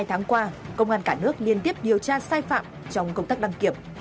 hôm qua công an cả nước liên tiếp điều tra sai phạm trong công tác đăng kiểm